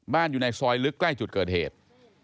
อยู่ในซอยลึกใกล้จุดเกิดเหตุ